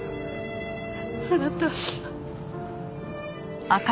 あなた。